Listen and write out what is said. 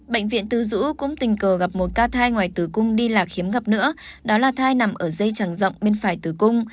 bệnh viện tư dũ cũng tình cờ gặp một ca thai ngoài tử cung đi lạc khiếm gặp nữa đó là thai nằm ở dây chẳng rộng bên phải tử cung